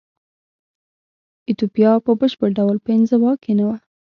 ایتوپیا په بشپړ ډول په انزوا کې نه وه.